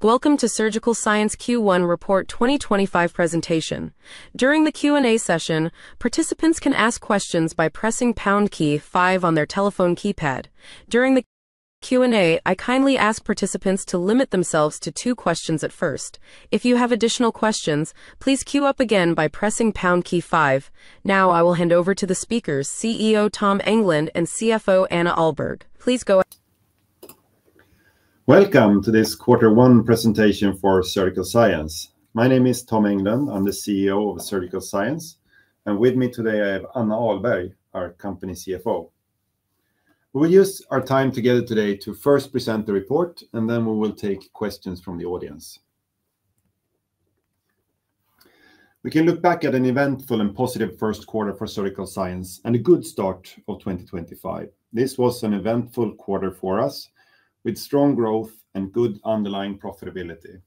Welcome to Surgical Science Q1 Report 2025 presentation. During the Q&A session, participants can ask questions by pressing #5 on their telephone keypad. During the Q&A, I kindly ask participants to limit themselves to two questions at first. If you have additional questions, please queue up again by pressing #5. Now, I will hand over to the speakers, CEO Tom Englund and CFO Anna Ahlberg. Please go ahead. Welcome to this Quarter 1 presentation for Surgical Science. My name is Tom Englund. I'm the CEO of Surgical Science, and with me today I have Anna Ahlberg, our company CFO. We will use our time together today to first present the report, and then we will take questions from the audience. We can look back at an eventful and positive first quarter for Surgical Science and a good start of 2025. This was an eventful quarter for us, with strong growth and good underlying profitability.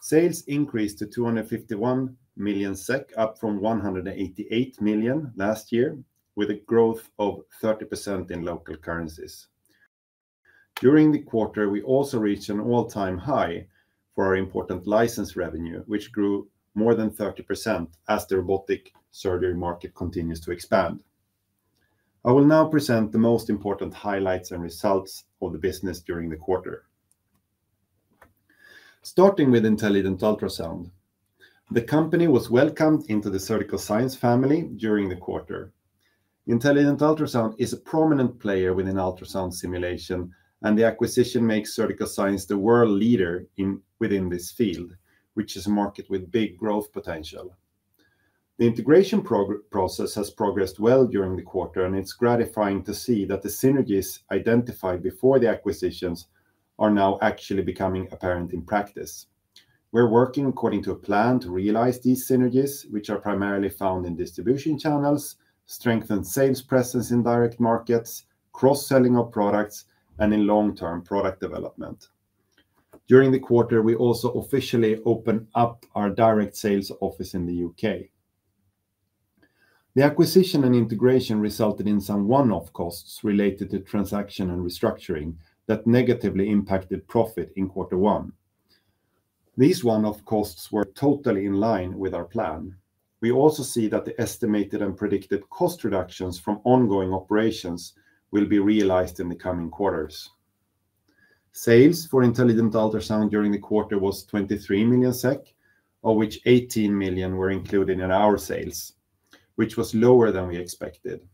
Sales increased to 251 million SEK, up from 188 million last year, with a growth of 30% in local currencies. During the quarter, we also reached an all-time high for our important license revenue, which grew more than 30% as the robotic surgery market continues to expand. I will now present the most important highlights and results of the business during the quarter. Starting with Intelligent Ultrasound, the company was welcomed into the Surgical Science family during the quarter. Intelligent Ultrasound is a prominent player within ultrasound simulation, and the acquisition makes Surgical Science the world leader within this field, which is a market with big growth potential. The integration process has progressed well during the quarter, and it's gratifying to see that the synergies identified before the acquisitions are now actually becoming apparent in practice. We're working according to a plan to realize these synergies, which are primarily found in distribution channels, strengthened sales presence in direct markets, cross-selling of products, and in long-term product development. During the quarter, we also officially opened up our direct sales office in the U.K. The acquisition and integration resulted in some one-off costs related to transaction and restructuring that negatively impacted profit in Quarter 1. These one-off costs were totally in line with our plan. We also see that the estimated and predicted cost reductions from ongoing operations will be realized in the coming quarters. Sales for Intelligent Ultrasound during the quarter was 23 million SEK, of which 18 million were included in our sales, which was lower than we expected.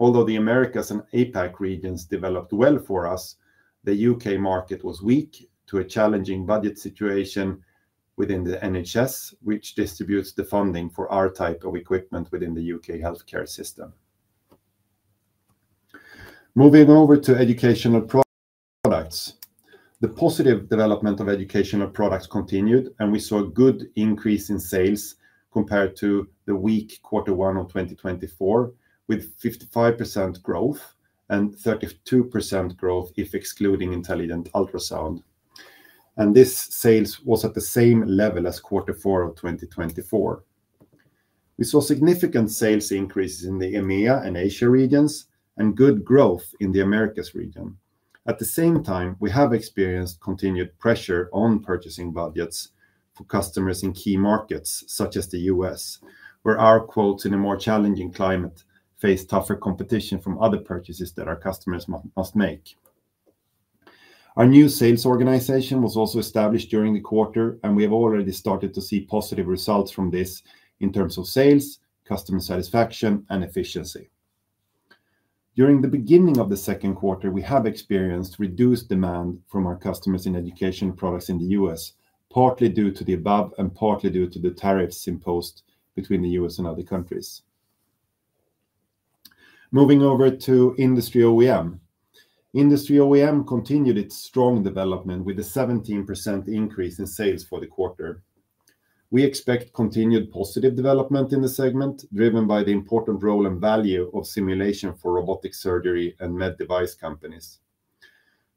Although the Americas and APAC regions developed well for us, the U.K. market was weak due to a challenging budget situation within the NHS, which distributes the funding for our type of equipment within the U.K. healthcare system. Moving over to educational products, the positive development of educational products continued, and we saw a good increase in sales compared to the weak Quarter 1 of 2024, with 55% growth and 32% growth if excluding Intelligent Ultrasound. This sales was at the same level as Quarter 4 of 2024. We saw significant sales increases in the EMEA and Asia regions and good growth in the Americas region. At the same time, we have experienced continued pressure on purchasing budgets for customers in key markets such as the U.S., where our quotes in a more challenging climate face tougher competition from other purchases that our customers must make. Our new sales organization was also established during the quarter, and we have already started to see positive results from this in terms of sales, customer satisfaction, and efficiency. During the beginning of the second quarter, we have experienced reduced demand from our customers in educational products in the U.S., partly due to the above and partly due to the tariffs imposed between the U.S. and other countries. Moving over to industry OEM, industry OEM continued its strong development with a 17% increase in sales for the quarter. We expect continued positive development in the segment, driven by the important role and value of simulation for robotic surgery and med device companies.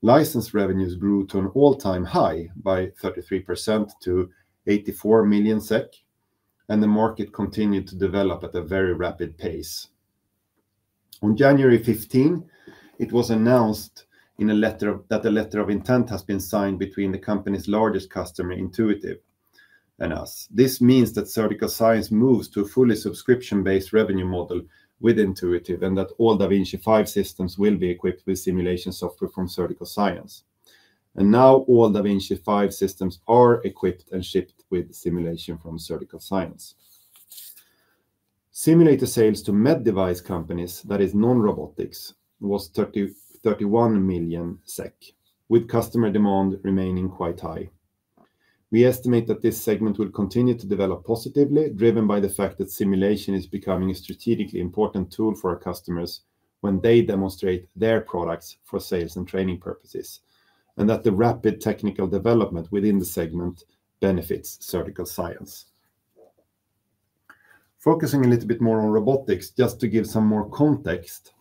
License revenues grew to an all-time high by 33% to 84 million SEK, and the market continued to develop at a very rapid pace. On January 15, it was announced in a letter that a letter of intent has been signed between the company's largest customer, Intuitive, and us. This means that Surgical Science moves to a fully subscription-based revenue model with Intuitive and that all DaVinci 5 systems will be equipped with simulation software from Surgical Science. All DaVinci 5 systems are equipped and shipped with simulation from Surgical Science. Simulator sales to med device companies, that is, non-robotics, was 31 million SEK, with customer demand remaining quite high. We estimate that this segment will continue to develop positively, driven by the fact that simulation is becoming a strategically important tool for our customers when they demonstrate their products for sales and training purposes, and that the rapid technical development within the segment benefits Surgical Science. Focusing a little bit more on robotics, just to give some more context,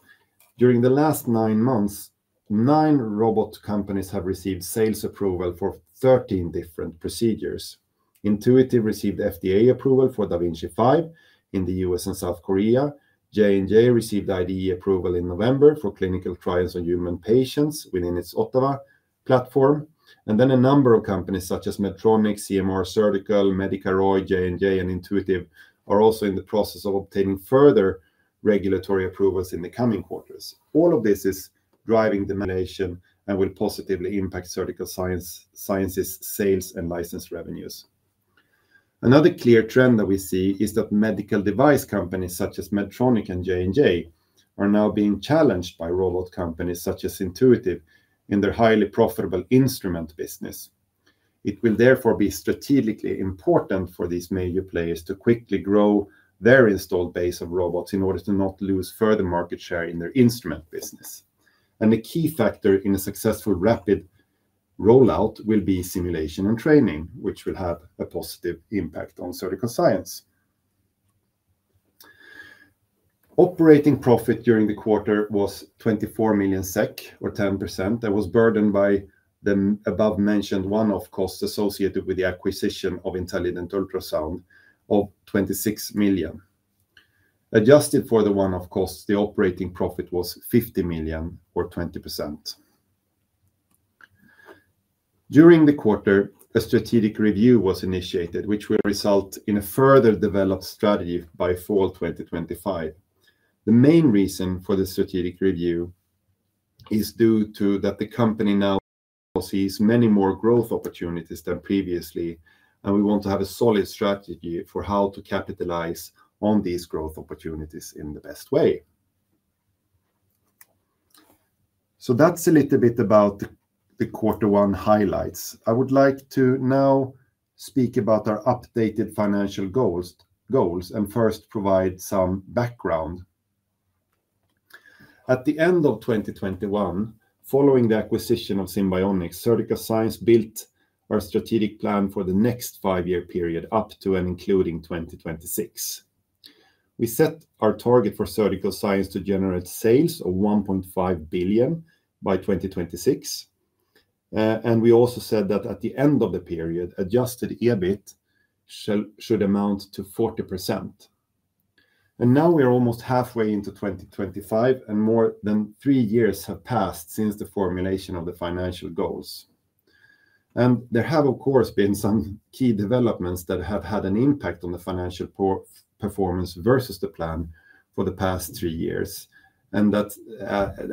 during the last nine months, nine robot companies have received sales approval for 13 different procedures. Intuitive received FDA approval for DaVinci 5 in the US and South Korea. J&J received IDE approval in November for clinical trials on human patients within its Ottava platform. A number of companies such as Medtronic, CMR Surgical, Medicaroid, J&J, and Intuitive are also in the process of obtaining further regulatory approvals in the coming quarters. All of this is driving the simulation and will positively impact Surgical Science's sales and license revenues. Another clear trend that we see is that medical device companies such as Medtronic and J&J are now being challenged by robot companies such as Intuitive in their highly profitable instrument business. It will therefore be strategically important for these major players to quickly grow their installed base of robots in order to not lose further market share in their instrument business. The key factor in a successful rapid rollout will be simulation and training, which will have a positive impact on Surgical Science. Operating profit during the quarter was 24 million SEK, or 10%. That was burdened by the above-mentioned one-off costs associated with the acquisition of Intelligent Ultrasound of 26 million. Adjusted for the one-off costs, the operating profit was 50 million, or 20%. During the quarter, a strategic review was initiated, which will result in a further developed strategy by fall 2025. The main reason for the strategic review is due to the company now sees many more growth opportunities than previously, and we want to have a solid strategy for how to capitalize on these growth opportunities in the best way. That is a little bit about the Quarter 1 highlights. I would like to now speak about our updated financial goals and first provide some background. At the end of 2021, following the acquisition of Symbionics, Surgical Science built our strategic plan for the next five-year period up to and including 2026. We set our target for Surgical Science to generate sales of 1.5 billion by 2026. We also said that at the end of the period, adjusted EBIT should amount to 40%. We are almost halfway into 2025, and more than three years have passed since the formulation of the financial goals. There have, of course, been some key developments that have had an impact on the financial performance versus the plan for the past three years and that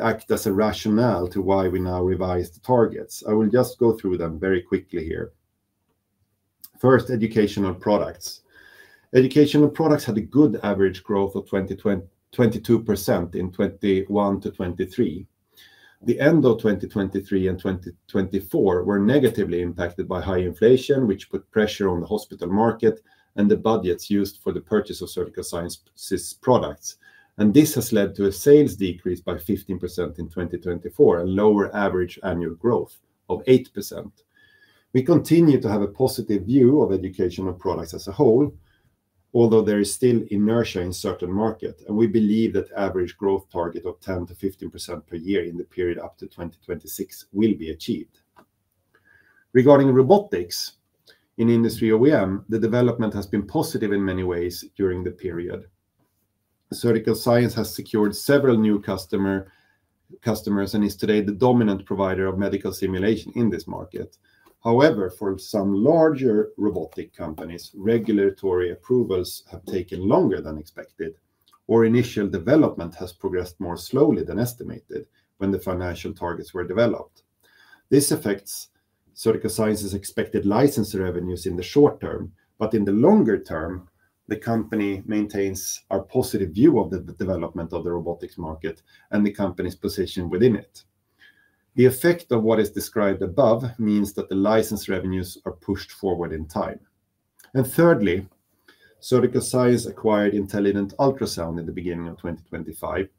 act as a rationale to why we now revised targets. I will just go through them very quickly here. First, educational products. Educational products had a good average growth of 22% in 2021 to 2023. The end of 2023 and 2024 were negatively impacted by high inflation, which put pressure on the hospital market and the budgets used for the purchase of Surgical Science's products. This has led to a sales decrease by 15% in 2024 and lower average annual growth of 8%. We continue to have a positive view of educational products as a whole, although there is still inertia in certain markets, and we believe that average growth target of 10%-15% per year in the period up to 2026 will be achieved. Regarding robotics in industry OEM, the development has been positive in many ways during the period. Surgical Science has secured several new customers and is today the dominant provider of medical simulation in this market. However, for some larger robotic companies, regulatory approvals have taken longer than expected, or initial development has progressed more slowly than estimated when the financial targets were developed. This affects Surgical Science's expected license revenues in the short term, but in the longer term, the company maintains our positive view of the development of the robotics market and the company's position within it. The effect of what is described above means that the license revenues are pushed forward in time. Thirdly, Surgical Science acquired Intelligent Ultrasound in the beginning of 2025,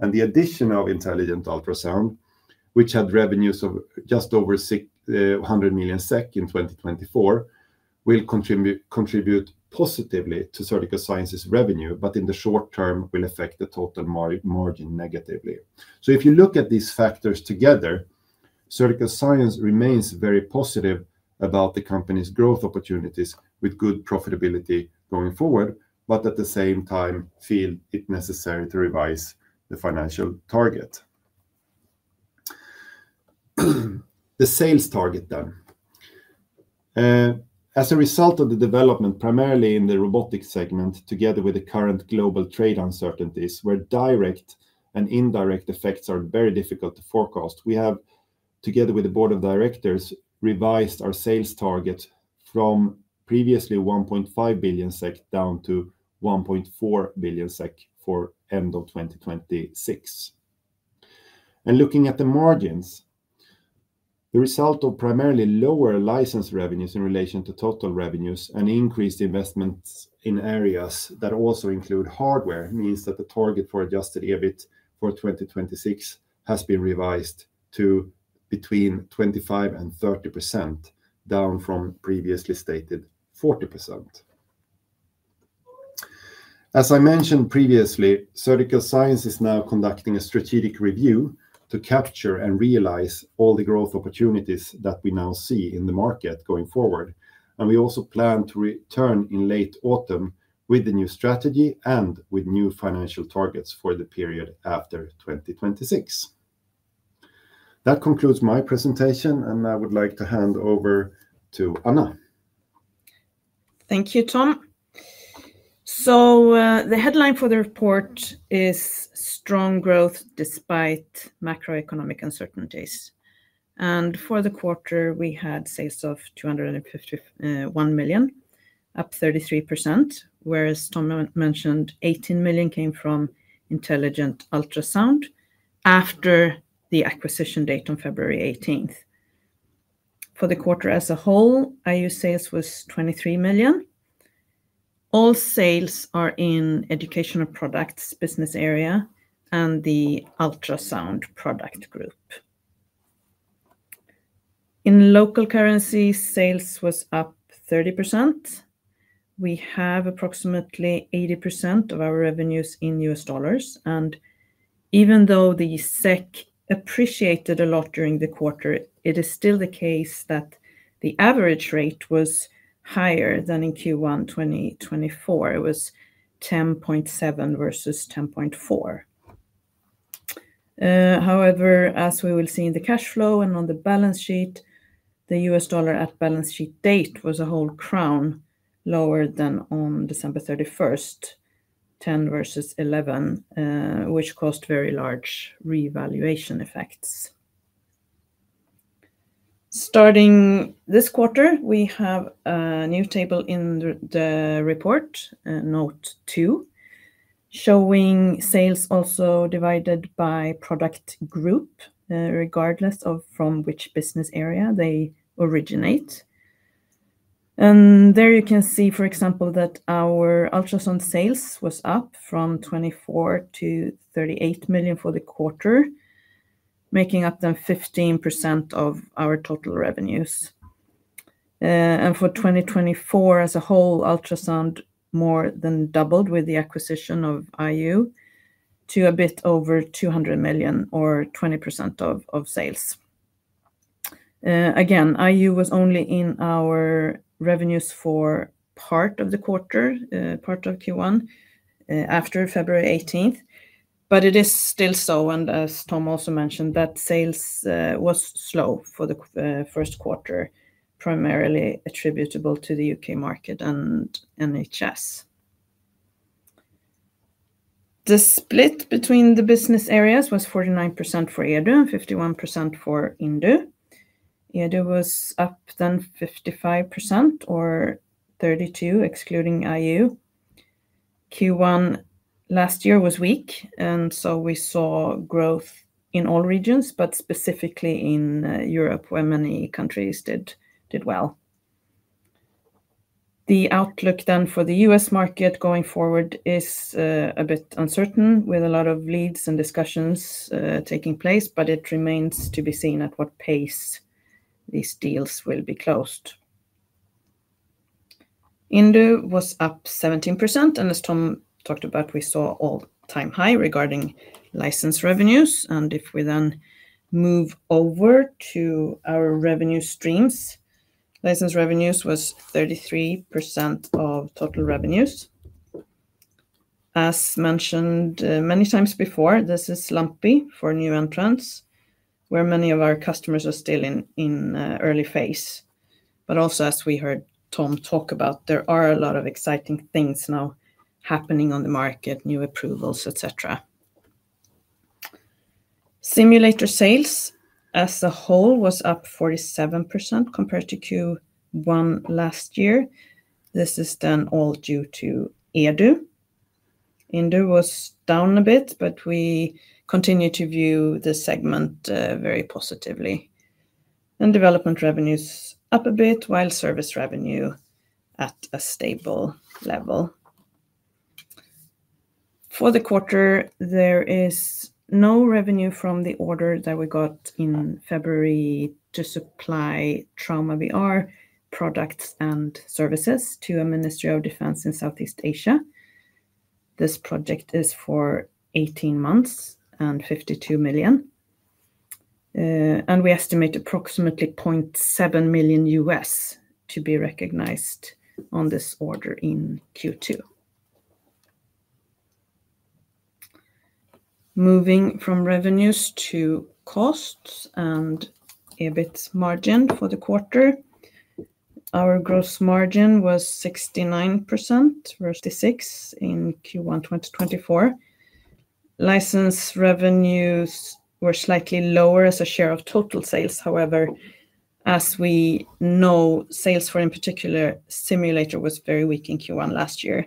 and the addition of Intelligent Ultrasound, which had revenues of just over 100 million SEK in 2024, will contribute positively to Surgical Science's revenue, but in the short term will affect the total margin negatively. If you look at these factors together, Surgical Science remains very positive about the company's growth opportunities with good profitability going forward, but at the same time feel it necessary to revise the financial target. The sales target then, as a result of the development primarily in the robotics segment, together with the current global trade uncertainties, where direct and indirect effects are very difficult to forecast, we have, together with the board of directors, revised our sales target from previously 1.5 billion SEK down to 1.4 billion SEK for end of 2026. Looking at the margins, the result of primarily lower license revenues in relation to total revenues and increased investments in areas that also include hardware means that the target for adjusted EBIT for 2026 has been revised to between 25%-30%, down from previously stated 40%. As I mentioned previously, Surgical Science is now conducting a strategic review to capture and realize all the growth opportunities that we now see in the market going forward. We also plan to return in late autumn with the new strategy and with new financial targets for the period after 2026. That concludes my presentation, and I would like to hand over to Anna. Thank you, Tom. The headline for the report is strong growth despite macroeconomic uncertainties. For the quarter, we had sales of 251 million, up 33%, whereas Tom mentioned 18 million came from Intelligent Ultrasound after the acquisition date on February 18. For the quarter as a whole, IU sales was 23 million. All sales are in Educational Products business area and the ultrasound product group. In local currency, sales was up 30%. We have approximately 80% of our revenues in US dollars. Even though the SEK appreciated a lot during the quarter, it is still the case that the average rate was higher than in Q1 2024. It was 10.7 versus 10.4. However, as we will see in the cash flow and on the balance sheet, the USD at balance sheet date was a whole crown lower than on December 31, 10 versus 11, which caused very large revaluation effects. Starting this quarter, we have a new table in the report, note two, showing sales also divided by product group, regardless of from which business area they originate. There you can see, for example, that our ultrasound sales was up from 24 million to 38 million for the quarter, making up then 15% of our total revenues. For 2024 as a whole, ultrasound more than doubled with the acquisition of Intelligent Ultrasound to a bit over 200 million, or 20% of sales. Again, Intelligent Ultrasound was only in our revenues for part of the quarter, part of Q1, after February 18. It is still so, and as Tom also mentioned, that sales was slow for the first quarter, primarily attributable to the U.K. market and NHS. The split between the business areas was 49% for EDU and 51% for INDU. EDU was up then 55%, or 32%, excluding IU. Q1 last year was weak, and so we saw growth in all regions, but specifically in Europe, where many countries did well. The outlook then for the U.S. market going forward is a bit uncertain, with a lot of leads and discussions taking place, but it remains to be seen at what pace these deals will be closed. INDU was up 17%, and as Tom talked about, we saw all-time high regarding license revenues. If we then move over to our revenue streams, license revenues was 33% of total revenues. As mentioned many times before, this is slumpy for new entrants, where many of our customers are still in early phase. However, as we heard Tom talk about, there are a lot of exciting things now happening on the market, new approvals, etc. Simulator sales as a whole was up 47% compared to Q1 last year. This is then all due to EDU. INDU was down a bit, but we continue to view the segment very positively. Development revenues up a bit, while service revenue at a stable level. For the quarter, there is no revenue from the order that we got in February to supply TraumaVR products and services to a Ministry of Defense in Southeast Asia. This project is for 18 months and 52 million. We estimate approximately $0.7 million to be recognized on this order in Q2. Moving from revenues to costs and EBIT margin for the quarter, our gross margin was 69% versus 56% in Q1 2024. License revenues were slightly lower as a share of total sales. However, as we know, sales for, in particular, Simulator was very weak in Q1 last year,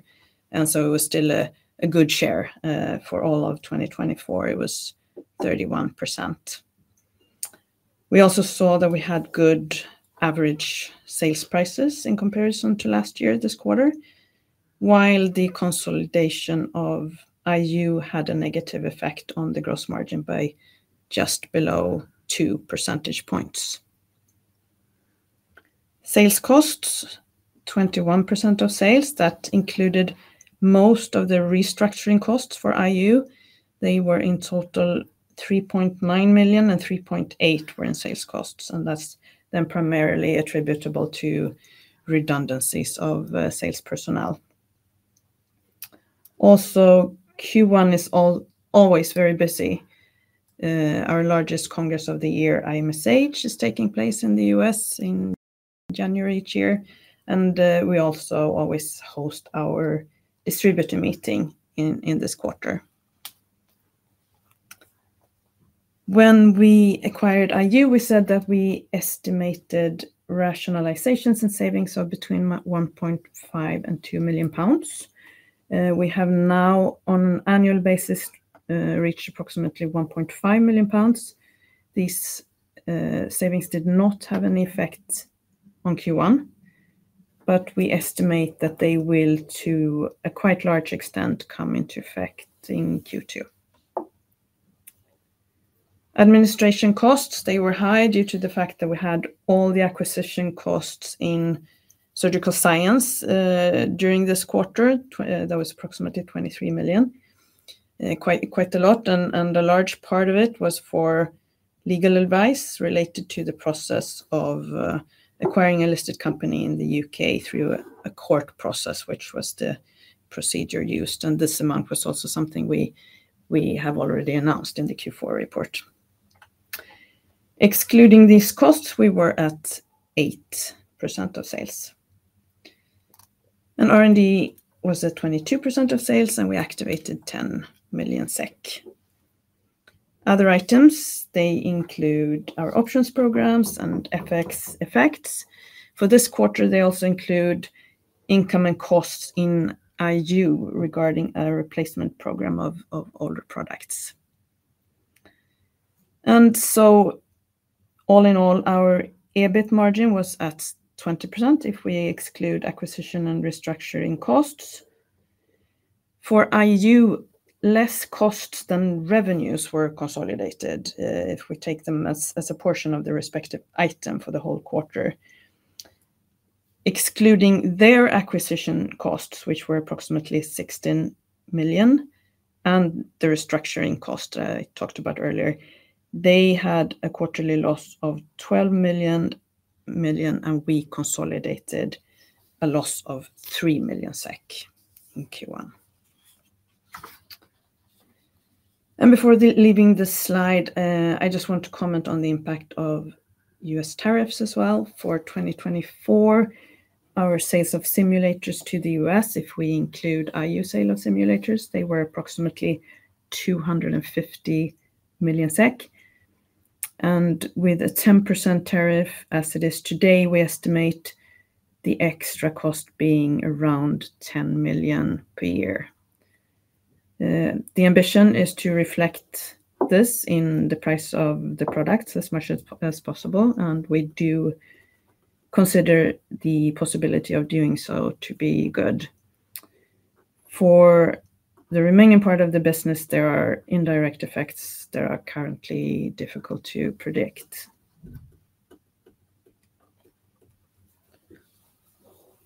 and so it was still a good share for all of 2024. It was 31%. We also saw that we had good average sales prices in comparison to last year, this quarter, while the consolidation of IU had a negative effect on the gross margin by just below 2 percentage points. Sales costs, 21% of sales, that included most of the restructuring costs for IU. They were in total 3.9 million, and 3.8 million were in sales costs, and that's then primarily attributable to redundancies of sales personnel. Also, Q1 is always very busy. Our largest Congress of the Year, IMSH, is taking place in the US in January each year, and we also always host our distributor meeting in this quarter. When we acquired IU, we said that we estimated rationalizations and savings of between 1.5 million and 2 million pounds. We have now, on an annual basis, reached approximately 1.5 million pounds. These savings did not have any effect on Q1, but we estimate that they will, to a quite large extent, come into effect in Q2. Administration costs, they were high due to the fact that we had all the acquisition costs in Surgical Science during this quarter. That was approximately 23 million, quite a lot, and a large part of it was for legal advice related to the process of acquiring a listed company in the U.K. through a court process, which was the procedure used. This amount was also something we have already announced in the Q4 report. Excluding these costs, we were at 8% of sales. R&D was at 22% of sales, and we activated 10 million SEK. Other items include our options programs and FX effects. For this quarter, they also include income and costs in IU regarding a replacement program of older products. All in all, our EBIT margin was at 20% if we exclude acquisition and restructuring costs. For IU, less costs than revenues were consolidated if we take them as a portion of the respective item for the whole quarter. Excluding their acquisition costs, which were approximately 16 million, and the restructuring cost that I talked about earlier, they had a quarterly loss of 12 million, and we consolidated a loss of 3 million SEK in Q1. Before leaving this slide, I just want to comment on the impact of U.S. tariffs as well. For 2024, our sales of simulators to the U.S., if we include IU sale of simulators, they were approximately 250 million SEK. With a 10% tariff as it is today, we estimate the extra cost being around 10 million per year. The ambition is to reflect this in the price of the products as much as possible, and we do consider the possibility of doing so to be good. For the remaining part of the business, there are indirect effects that are currently difficult to predict.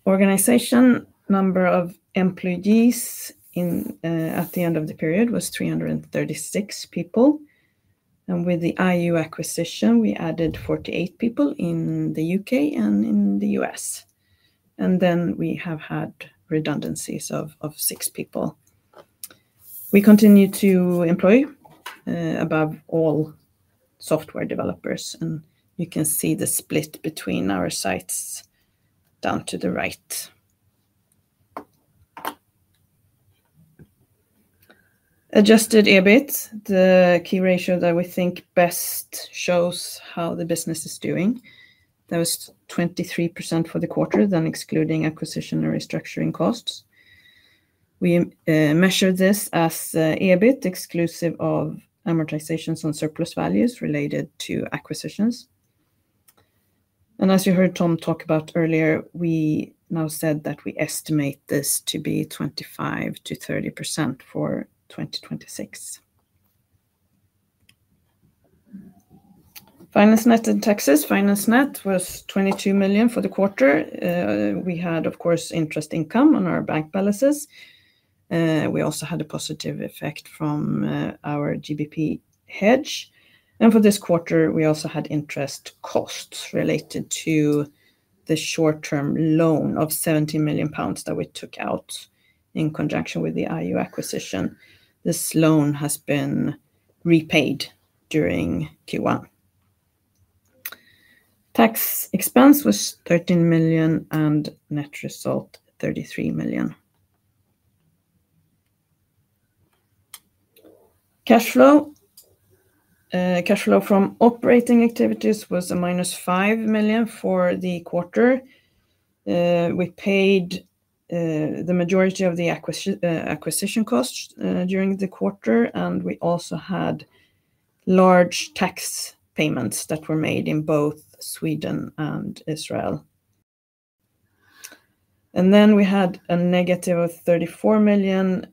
Organization number of employees at the end of the period was 336 people. With the IU acquisition, we added 48 people in the U.K. and in the U.S. We have had redundancies of six people. We continue to employ above all software developers, and you can see the split between our sites down to the right. Adjusted EBIT, the key ratio that we think best shows how the business is doing. That was 23% for the quarter, excluding acquisition and restructuring costs. We measured this as EBIT exclusive of amortizations on surplus values related to acquisitions. As you heard Tom talk about earlier, we now said that we estimate this to be 25%-30% for 2026. FinanceNet and taxes. FinanceNet was 22 million for the quarter. We had, of course, interest income on our bank balances. We also had a positive effect from our GBP hedge. For this quarter, we also had interest costs related to the short-term loan of 70 million pounds that we took out in conjunction with the IU acquisition. This loan has been repaid during Q1. Tax expense was 13 million and net result 33 million. Cash flow. Cash flow from operating activities was a minus 5 million for the quarter. We paid the majority of the acquisition costs during the quarter, and we also had large tax payments that were made in both Sweden and Israel. We had a negative of 34 million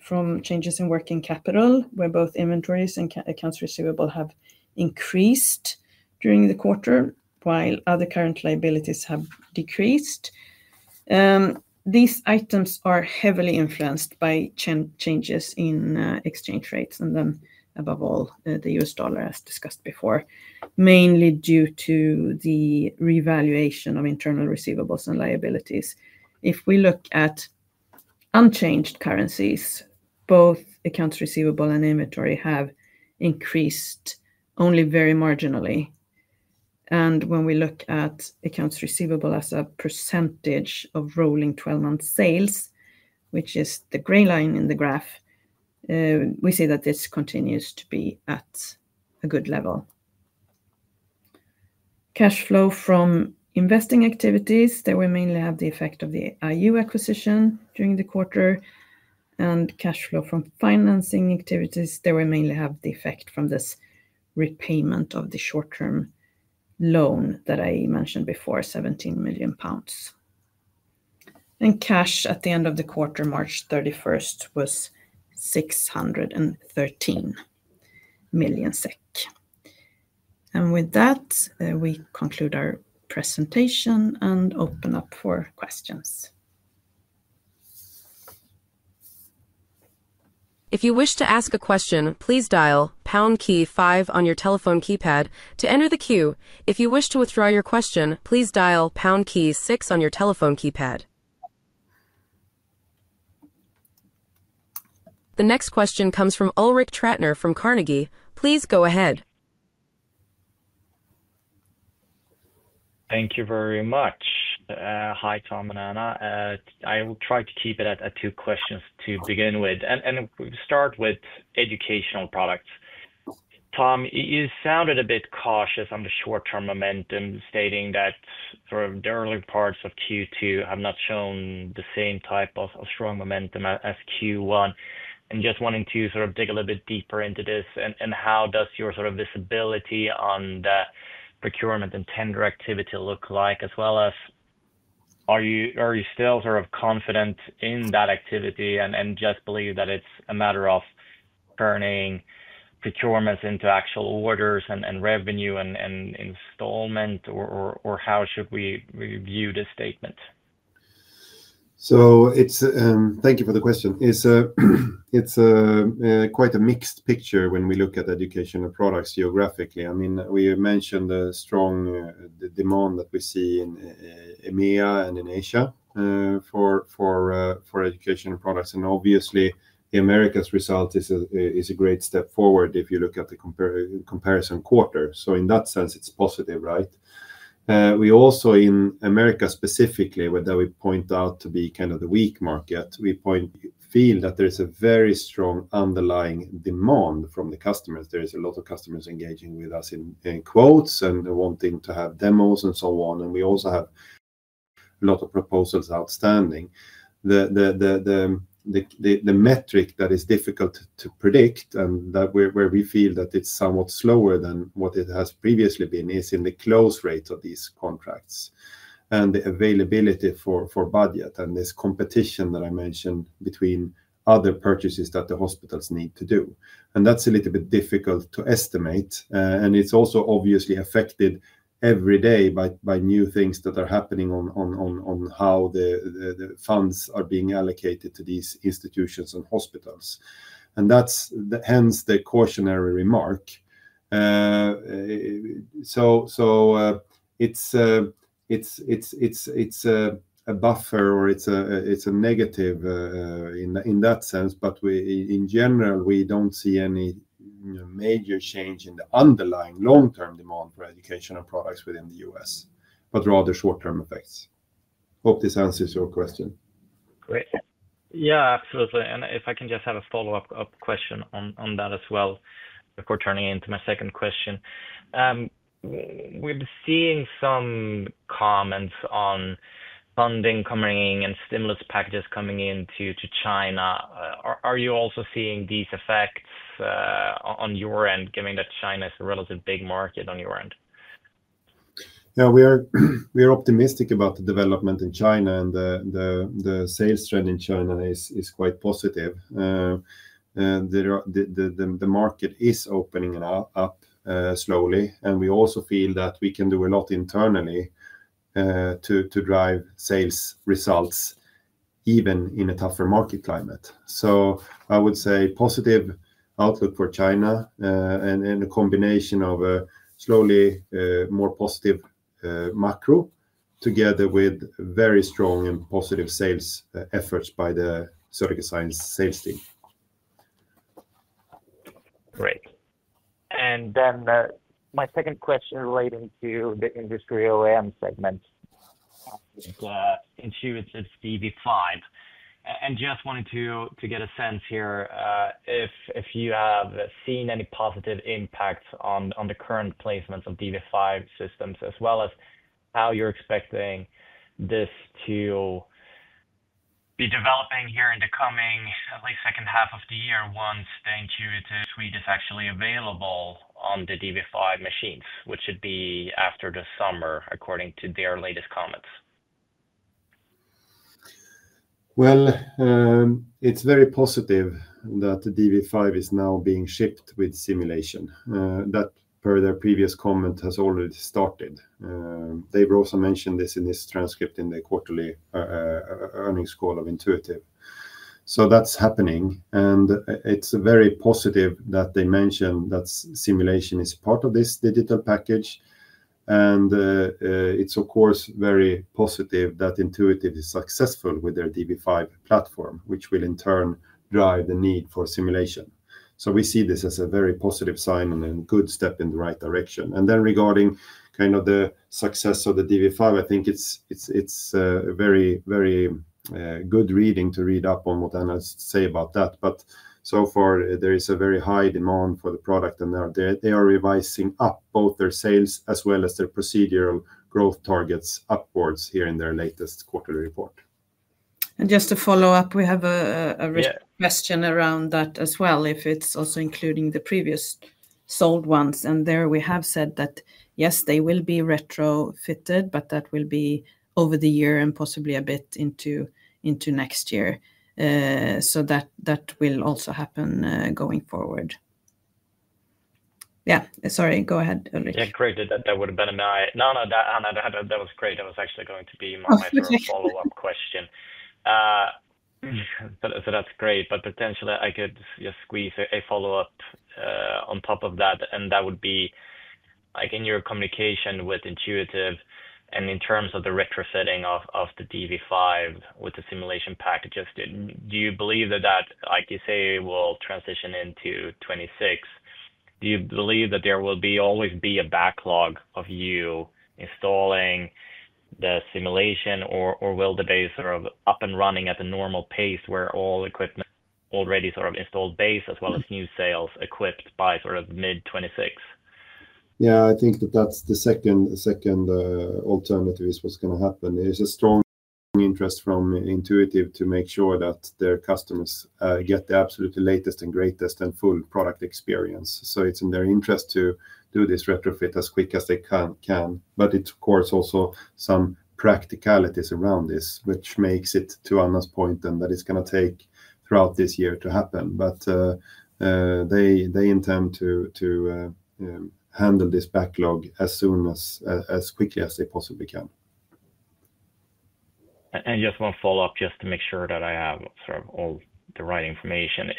from changes in working capital, where both inventories and accounts receivable have increased during the quarter, while other current liabilities have decreased. These items are heavily influenced by changes in exchange rates and, above all, the US dollar, as discussed before, mainly due to the revaluation of internal receivables and liabilities. If we look at unchanged currencies, both accounts receivable and inventory have increased only very marginally. When we look at accounts receivable as a percentage of rolling 12-month sales, which is the gray line in the graph, we see that this continues to be at a good level. Cash flow from investing activities, there were mainly the effect of the Intelligent Ultrasound acquisition during the quarter. Cash flow from financing activities, there were mainly the effect from this repayment of the short-term loan that I mentioned before, 17 million pounds. Cash at the end of the quarter, March 31, was 613 million SEK. With that, we conclude our presentation and open up for questions. If you wish to ask a question, please dial pound key 5 on your telephone keypad to enter the queue. If you wish to withdraw your question, please dial pound key 6 on your telephone keypad. The next question comes from Ulrik Trattner from Carnegie. Please go ahead. Thank you very much. Hi, Tom and Anna. I will try to keep it at two questions to begin with. We'll start with educational products. Tom, you sounded a bit cautious on the short-term momentum, stating that for the early parts of Q2, it has not shown the same type of strong momentum as Q1. Just wanting to sort of dig a little bit deeper into this, how does your sort of visibility on the procurement and tender activity look like, as well as are you still sort of confident in that activity and just believe that it's a matter of turning procurements into actual orders and revenue and installment, or how should we view this statement? Thank you for the question. It's quite a mixed picture when we look at educational products geographically. I mean, we mentioned the strong demand that we see in EMEA and in Asia for educational products. Obviously, the Americas result is a great step forward if you look at the comparison quarter. In that sense, it is positive, right? We also, in Americas specifically, point out that to be kind of the weak market. We feel that there is a very strong underlying demand from the customers. There are a lot of customers engaging with us in quotes and wanting to have demos and so on. We also have a lot of proposals outstanding. The metric that is difficult to predict and where we feel that it is somewhat slower than what it has previously been is in the close rate of these contracts and the availability for budget and this competition that I mentioned between other purchases that the hospitals need to do. That is a little bit difficult to estimate. It is also obviously affected every day by new things that are happening on how the funds are being allocated to these institutions and hospitals. That is hence the cautionary remark. It is a buffer or it is a negative in that sense, but in general, we do not see any major change in the underlying long-term demand for educational products within the US, but rather short-term effects. Hope this answers your question. Great. Yeah, absolutely. If I can just have a follow-up question on that as well, before turning into my second question. We have been seeing some comments on funding coming and stimulus packages coming into China. Are you also seeing these effects on your end, given that China is a relatively big market on your end? Yeah, we are optimistic about the development in China, and the sales trend in China is quite positive. The market is opening up slowly, and we also feel that we can do a lot internally to drive sales results even in a tougher market climate. I would say positive outlook for China and a combination of a slowly more positive macro together with very strong and positive sales efforts by the Surgical Science sales team. Great. My second question relating to the industrial OEM segment. Insurance is DV5. I just wanted to get a sense here if you have seen any positive impact on the current placements of DV5 systems, as well as how you're expecting this to be developing here in the coming at least second half of the year once the insurance suite is actually available on the DV5 machines, which should be after the summer, according to their latest comments. It is very positive that DV5 is now being shipped with simulation. That, per their previous comment, has already started. They have also mentioned this in this transcript in the quarterly earnings call of Intuitive. That is happening, and it is very positive that they mentioned that simulation is part of this digital package. It is, of course, very positive that Intuitive is successful with their DV5 platform, which will in turn drive the need for simulation. We see this as a very positive sign and a good step in the right direction. Regarding the success of the DV5, I think it is a very good reading to read up on what Anna has to say about that. So far, there is a very high demand for the product, and they are revising up both their sales as well as their procedural growth targets upwards here in their latest quarterly report. Just to follow up, we have a question around that as well, if it is also including the previously sold ones. There we have said that, yes, they will be retrofitted, but that will be over the year and possibly a bit into next year. That will also happen going forward. Yeah, sorry, go ahead, Ulrik. Yeah, great. That would have been a no, no, that was great. That was actually going to be my follow-up question. That is great. Potentially, I could just squeeze a follow-up on top of that, and that would be in your communication with Intuitive and in terms of the retrofitting of the DV5 with the simulation packages. Do you believe that, like you say, it will transition into 2026? Do you believe that there will always be a backlog of you installing the simulation, or will the base sort of be up and running at a normal pace where all equipment, already sort of installed base as well as new sales, is equipped by sort of mid-2026? I think that the second alternative is what is going to happen. There is a strong interest from Intuitive to make sure that their customers get the absolute latest and greatest and full product experience. It's in their interest to do this retrofit as quick as they can. Of course, there are also some practicalities around this, which makes it, to Anna's point, that it's going to take throughout this year to happen. They intend to handle this backlog as quickly as they possibly can. Just one follow-up, just to make sure that I have sort of all the right information.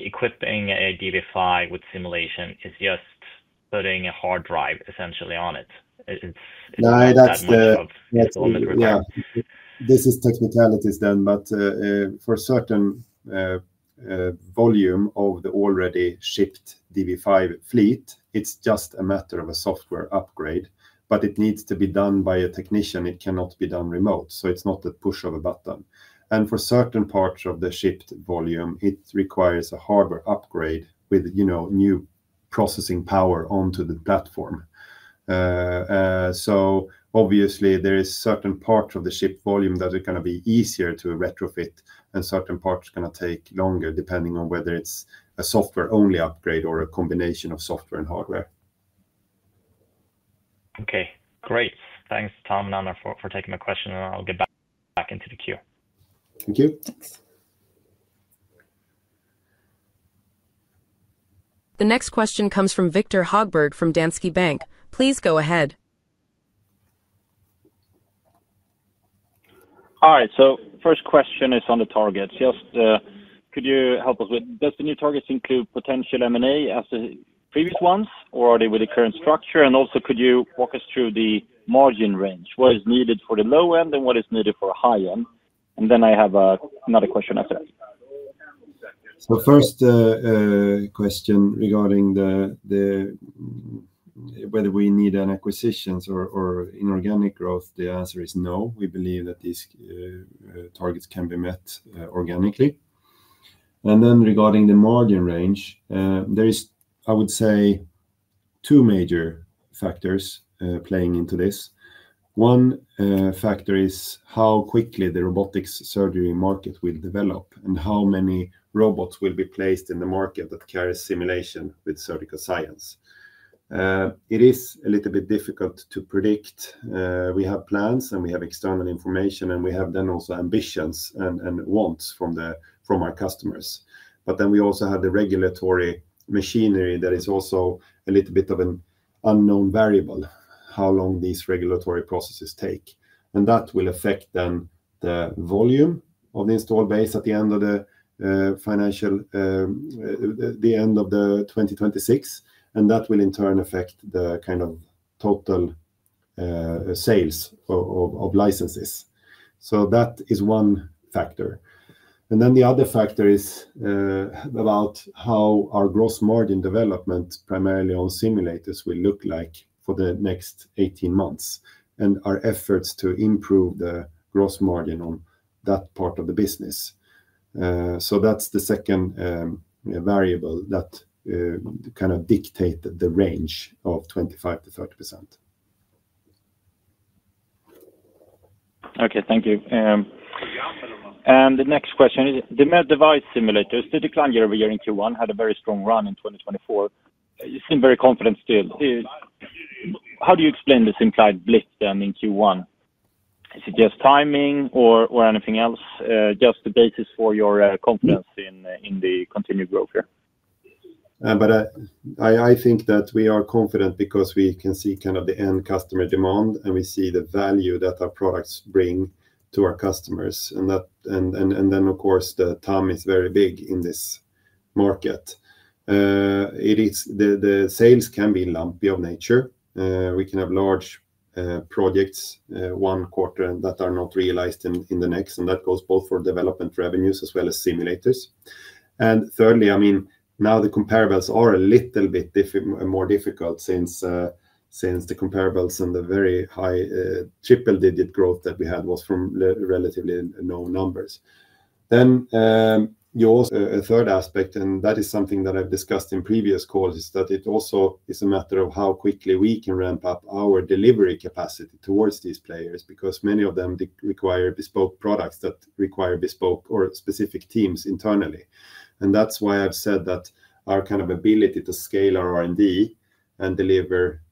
Equipping a DV5 with simulation is just putting a hard drive essentially on it. It's a matter of installment requirement. Yeah, this is technicalities then, but for a certain volume of the already shipped DV5 fleet, it's just a matter of a software upgrade, but it needs to be done by a technician. It cannot be done remote, so it's not a push of a button. For certain parts of the shipped volume, it requires a hardware upgrade with new processing power onto the platform. Obviously, there are certain parts of the shipped volume that are going to be easier to retrofit, and certain parts are going to take longer, depending on whether it is a software-only upgrade or a combination of software and hardware. Okay, great. Thanks, Tom and Anna, for taking my question, and I'll get back into the queue. Thank you. Thanks. The next question comes from Viktor H��gberg from Danske Bank. Please go ahead. .All right, so first question is on the targets. Just could you help us with, does the new targets include potential M&A as the previous ones, or are they with the current structure? And also, could you walk us through the margin range? What is needed for the low end, and what is needed for a high end? I have another question after that. First question regarding whether we need an acquisition or inorganic growth, the answer is no. We believe that these targets can be met organically. Regarding the margin range, there are, I would say, two major factors playing into this. One factor is how quickly the robotic surgery market will develop and how many robots will be placed in the market that carry simulation with Surgical Science. It is a little bit difficult to predict. We have plans, and we have external information, and we have then also ambitions and wants from our customers. We also have the regulatory machinery that is also a little bit of an unknown variable, how long these regulatory processes take. That will affect then the volume of the installed base at the end of the financial, the end of 2026, and that will in turn affect the kind of total sales of licenses. That is one factor. The other factor is about how our gross margin development, primarily on simulators, will look like for the next 18 months and our efforts to improve the gross margin on that part of the business. That is the second variable that kind of dictates the range of 25-30%. Okay, thank you. The next question is, the med device simulators, the decline year over year in Q1 had a very strong run in 2024. You seem very confident still. How do you explain the implied blip then in Q1? Is it just timing or anything else? Just the basis for your confidence in the continued growth here. I think that we are confident because we can see kind of the end customer demand, and we see the value that our products bring to our customers. Of course, the time is very big in this market. The sales can be lumpy of nature. We can have large projects one quarter that are not realized in the next, and that goes both for development revenues as well as simulators. Thirdly, I mean, now the comparables are a little bit more difficult since the comparables and the very high triple-digit growth that we had was from relatively low numbers. Then you. A third aspect, and that is something that I've discussed in previous calls, is that it also is a matter of how quickly we can ramp up our delivery capacity towards these players because many of them require bespoke products that require bespoke or specific teams internally. That is why I've said that our kind of ability to scale our R&D and deliver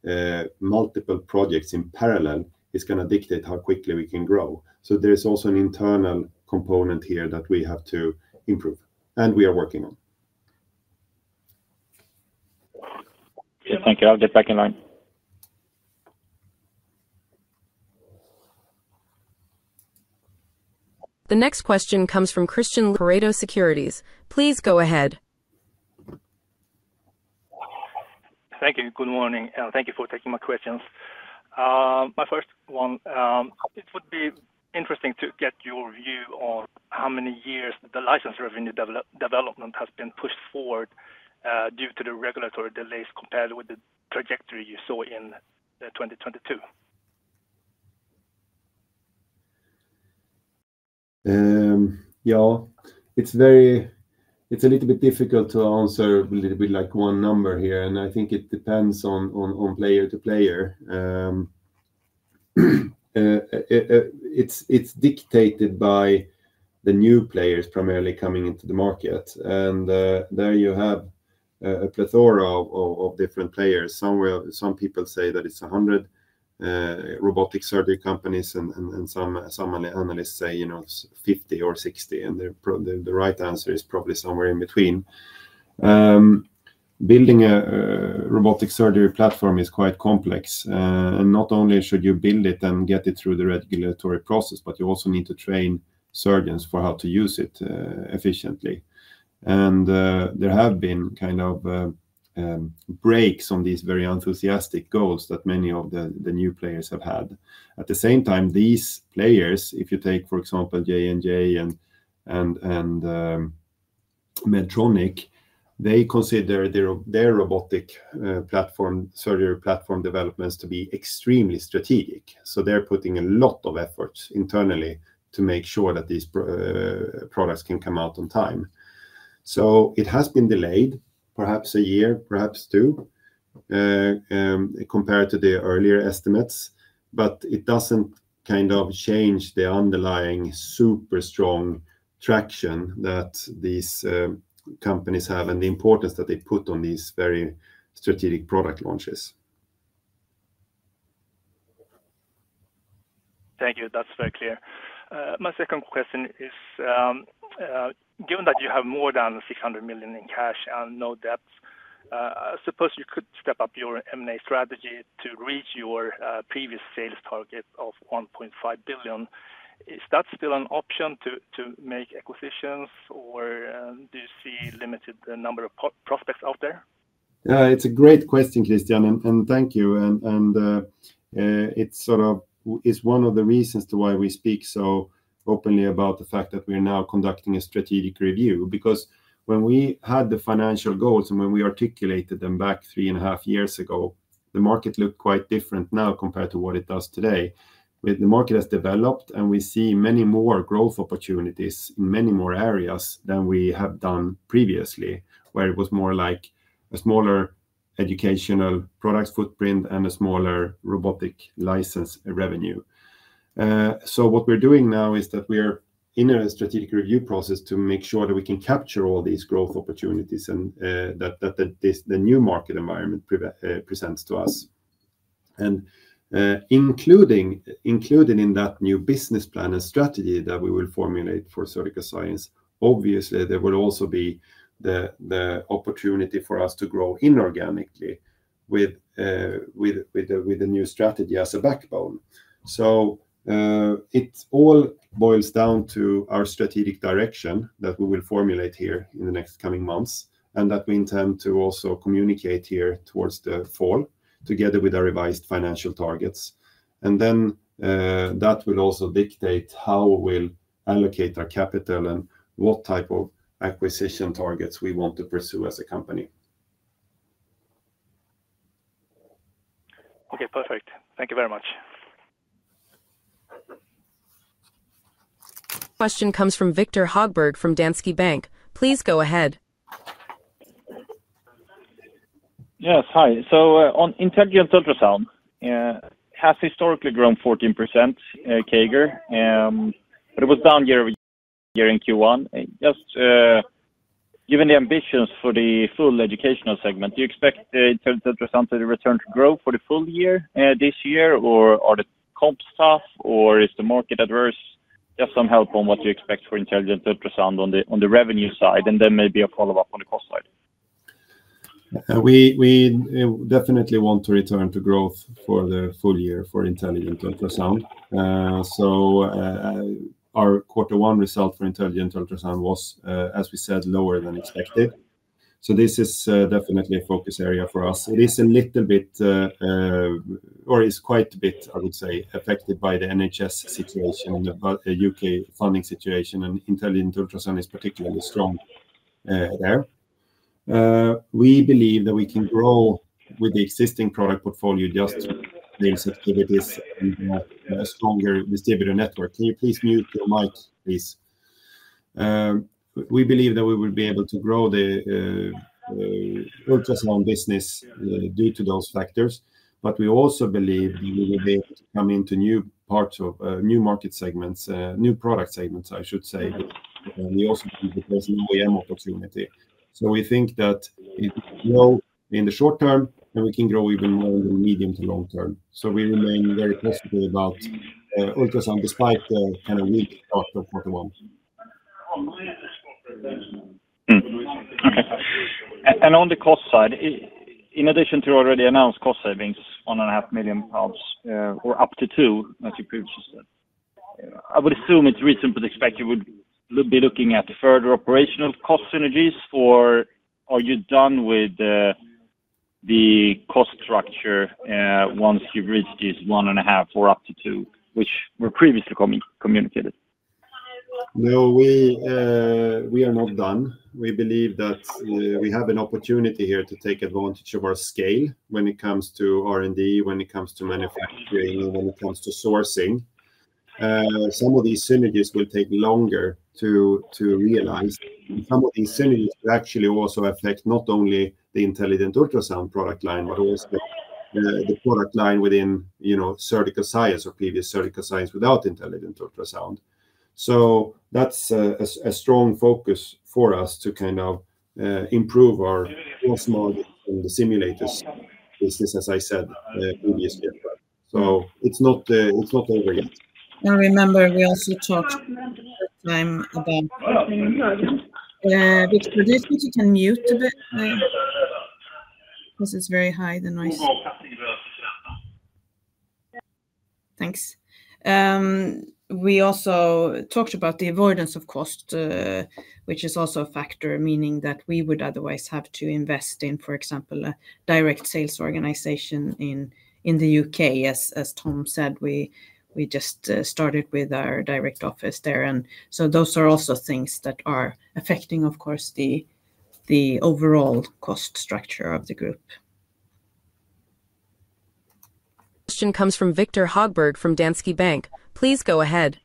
multiple projects in parallel is going to dictate how quickly we can grow. There is also an internal component here that we have to improve and we are working on. Yeah, thank you. I'll get back in line. The next question comes from Christian Pareto Securities. Please go ahead. Thank you. Good morning. Thank you for taking my questions. My first one, it would be interesting to get your view on how many years the license revenue development has been pushed forward due to the regulatory delays compared with the trajectory you saw in 2022. Yeah, it's a little bit difficult to answer, a little bit like one number here, and I think it depends on player to player. It's dictated by the new players primarily coming into the market. There you have a plethora of different players. Some people say that it's 100 robotic surgery companies, and some analysts say 50 or 60, and the right answer is probably somewhere in between. Building a robotic surgery platform is quite complex, and not only should you build it and get it through the regulatory process, but you also need to train surgeons for how to use it efficiently. There have been kind of breaks on these very enthusiastic goals that many of the new players have had. At the same time, these players, if you take, for example, J&J and Medtronic, they consider their robotic surgery platform developments to be extremely strategic. They are putting a lot of efforts internally to make sure that these products can come out on time. It has been delayed, perhaps a year, perhaps two, compared to the earlier estimates, but it does not kind of change the underlying super strong traction that these companies have and the importance that they put on these very strategic product launches. Thank you. That is very clear. My second question is, given that you have more than 600 million in cash and no debts, I suppose you could step up your M&A strategy to reach your previous sales target of 1.5 billion. Is that still an option to make acquisitions, or do you see a limited number of prospects out there? It's a great question, Christian, and thank you. It is sort of one of the reasons why we speak so openly about the fact that we are now conducting a strategic review, because when we had the financial goals and when we articulated them back three and a half years ago, the market looked quite different now compared to what it does today. The market has developed, and we see many more growth opportunities in many more areas than we have done previously, where it was more like a smaller educational product footprint and a smaller robotic license revenue. What we're doing now is that we are in a strategic review process to make sure that we can capture all these growth opportunities that the new market environment presents to us. Included in that new business plan and strategy that we will formulate for Surgical Science, obviously, there will also be the opportunity for us to grow inorganically with the new strategy as a backbone. It all boils down to our strategic direction that we will formulate here in the next coming months and that we intend to also communicate here towards the fall together with our revised financial targets. That will also dictate how we'll allocate our capital and what type of acquisition targets we want to pursue as a company. Okay, perfect. Thank you very much. Question comes from Victor Hogberg from Danske Bank. Please go ahead. Yes, hi. On Intelligent Ultrasound, it has historically grown 14%, CAGR, but it was down year over year in Q1. Just given the ambitions for the full Educational segment, do you expect Intelligent Ultrasound to return to growth for the full year this year, or are the comps tough, or is the market adverse? Just some help on what you expect for Intelligent Ultrasound on the revenue side, and then maybe a follow-up on the cost side. We definitely want to return to growth for the full year for Intelligent Ultrasound. Our quarter one result for Intelligent Ultrasound was, as we said, lower than expected. This is definitely a focus area for us. It is a little bit, or is quite a bit, I would say, affected by the NHS situation, the U.K. funding situation, and Intelligent Ultrasound is particularly strong there. We believe that we can grow with the existing product portfolio just to increase activities and a stronger distributor network. Can you please mute your mic, please? We believe that we will be able to grow the ultrasound business due to those factors, but we also believe that we will be able to come into new parts of new market segments, new product segments, I should say, because now we have more opportunity. We think that in the short term, we can grow even more in the medium to long term. We remain very positive about ultrasound despite the kind of weak start of quarter one. Okay. On the cost side, in addition to already announced cost savings of 500,000 pounds or up to 2 million, as you previously said, I would assume it is reasonable to expect you would be looking at further operational cost synergies, or are you done with the cost structure once you have reached these 1.5 million or up to 2 million, which were previously communicated? No, we are not done. We believe that we have an opportunity here to take advantage of our scale when it comes to R&D, when it comes to manufacturing, and when it comes to sourcing. Some of these synergies will take longer to realize. Some of these synergies will actually also affect not only the Intelligent Ultrasound product line, but also the product line within Surgical Science or previous Surgical Science without Intelligent Ultrasound. That is a strong focus for us to kind of improve our cost model and the simulators. This is, as I said, previously. It is not over yet. Now, remember, we also talked about the producer. Could you mute a bit? This is very high, the noise. Thanks. We also talked about the avoidance of cost, which is also a factor, meaning that we would otherwise have to invest in, for example, a direct sales organization in the U.K. As Tom said, we just started with our direct office there. Those are also things that are affecting, of course, the overall cost structure of the group. Question comes from Victor Hogberg from Danske Bank. Please go ahead.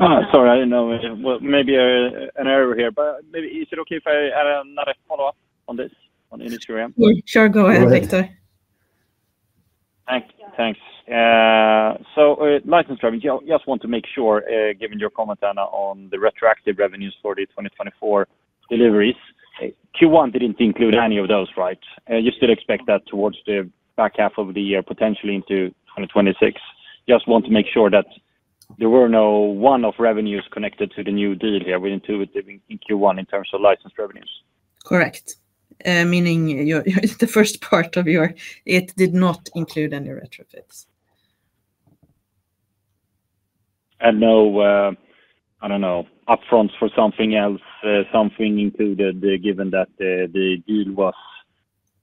Sorry, I did not know. Maybe an error here, but is it okay if I add another follow-up on this? On any screen? Sure. Go ahead, Victor. Thanks. License revenue, I just want to make sure, given your comment, Anna, on the retroactive revenues for the 2024 deliveries. Q1 did not include any of those, right? You still expect that towards the back half of the year, potentially into 2026. Just want to make sure that there were no one-off revenues connected to the new deal here within Q1 in terms of license revenues. Correct. Meaning the first part of your it did not include any retrofits. And no, I do not know, upfront for something else, something included, given that the deal was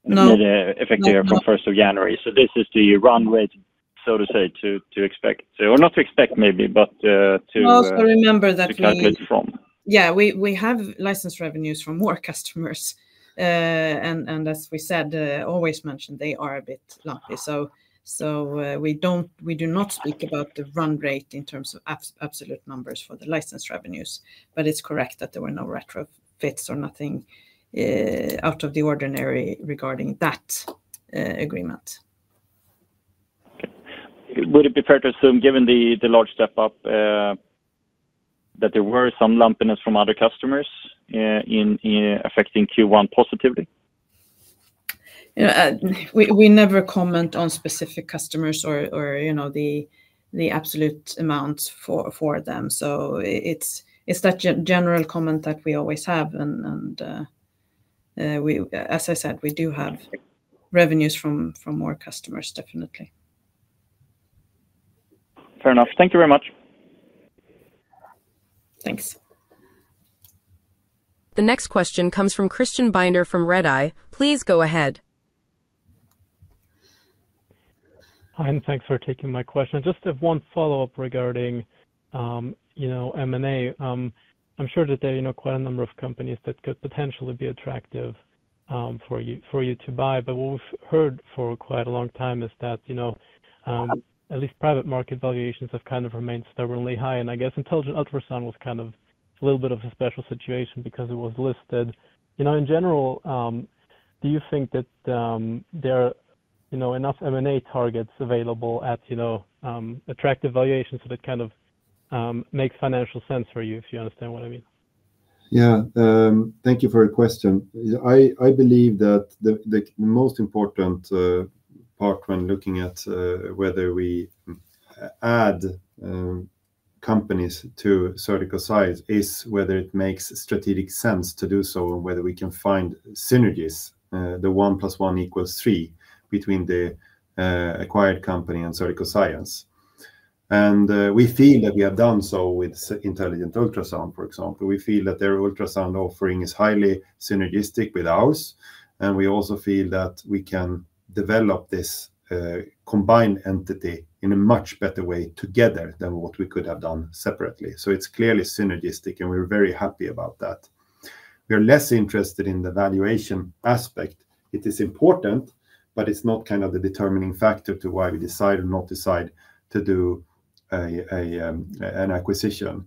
effective from 1st of January. This is the run rate, so to say, to expect, or not to expect maybe, but to calculate from. Yeah, we have license revenues from more customers. As we said, always mentioned, they are a bit lumpy. We do not speak about the run rate in terms of absolute numbers for the license revenues, but it is correct that there were no retrofits or nothing out of the ordinary regarding that agreement. Would it be fair to assume, given the large step-up, that there was some lumpiness from other customers affecting Q1 positively? We never comment on specific customers or the absolute amounts for them. It is that general comment that we always have. As I said, we do have revenues from more customers, definitely. Fair enough. Thank you very much. Thanks. The next question comes from Christian Binder from Redeye. Please go ahead. Hi, and thanks for taking my question. Just have one follow-up regarding M&A. I am sure that there are quite a number of companies that could potentially be attractive for you to buy. What we've heard for quite a long time is that at least private market valuations have kind of remained stubbornly high. I guess Intelligent Ultrasound was kind of a little bit of a special situation because it was listed. In general, do you think that there are enough M&A targets available at attractive valuations that kind of make financial sense for you, if you understand what I mean? Yeah. Thank you for your question. I believe that the most important part when looking at whether we add companies to Surgical Science is whether it makes strategic sense to do so and whether we can find synergies, the one plus one equals three between the acquired company and Surgical Science. We feel that we have done so with Intelligent Ultrasound, for example. We feel that their ultrasound offering is highly synergistic with ours. We also feel that we can develop this combined entity in a much better way together than what we could have done separately. It is clearly synergistic, and we are very happy about that. We are less interested in the valuation aspect. It is important, but it is not the determining factor to why we decide or not decide to do an acquisition.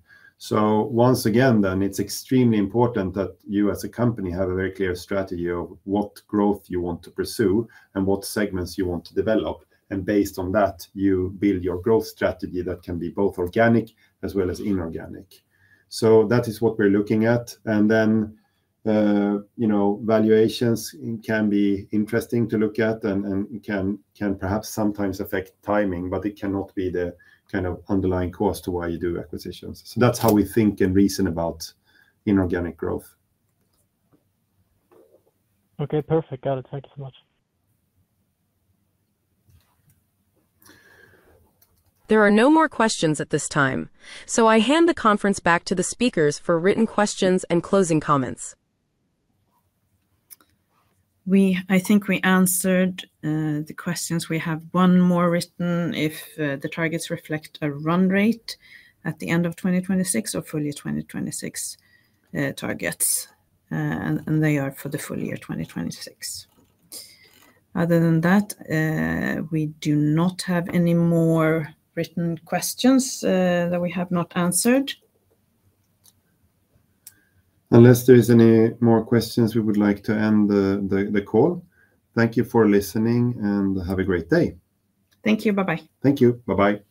Once again, it is extremely important that you, as a company, have a very clear strategy of what growth you want to pursue and what segments you want to develop. Based on that, you build your growth strategy that can be both organic as well as inorganic. That is what we are looking at. Valuations can be interesting to look at and can perhaps sometimes affect timing, but it cannot be the underlying cause to why you do acquisitions. That is how we think and reason about inorganic growth. Okay, perfect. Got it. Thank you so much. There are no more questions at this time. I hand the conference back to the speakers for written questions and closing comments. I think we answered the questions. We have one more written if the targets reflect a run rate at the end of 2026 or full year 2026 targets. They are for the full year 2026. Other than that, we do not have any more written questions that we have not answered. Unless there are any more questions, we would like to end the call. Thank you for listening and have a great day. Thank you. Bye-bye. Thank you. Bye-bye.